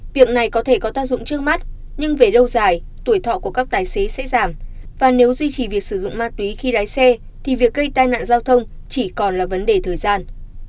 việc này có thể có tác dụng trước mắt nhưng về lâu dài tuổi thọ của các tài xế sẽ giảm và nếu duy trì việc sử dụng ma túy khi lái xe thì việc gây tai nạn giao thông chỉ còn là vấn đề thời gian